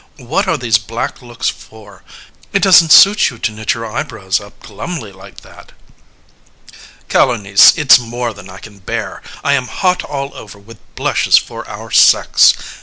What are these black looks for? It doesn't suit you To knit your eyebrows up glumly like that. LYSISTRATA Calonice, it's more than I can bear, I am hot all over with blushes for our sex.